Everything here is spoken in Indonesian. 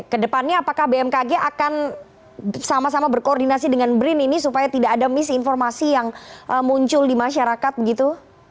kedepannya apakah bmkg akan sama sama berkoordinasi dengan brin ini supaya tidak ada misinformasi yang muncul di masyarakat begitu